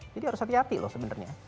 jadi harus hati hati loh sebenarnya